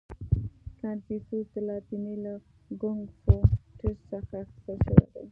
• کنفوسیوس د لاتیني له کونګ فو تزو څخه اخیستل شوی دی.